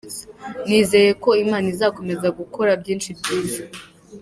Nizeye ko Imana izakomeza gukora byinshi byiza.